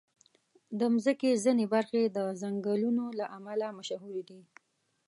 د مځکې ځینې برخې د ځنګلونو له امله مشهوري دي.